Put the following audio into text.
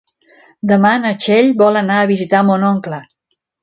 Demà na Txell vol anar a visitar mon oncle.